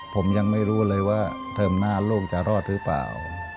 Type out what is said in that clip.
ผมยังไม่รู้เลยว่าเทอมหน้าลูกจะรอดหรือเปล่า